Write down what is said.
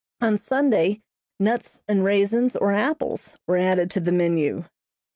On Sunday nuts and raisins or apples were added to the menu.